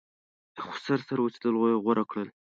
خسر سره اوسېدل یې غوره کړه.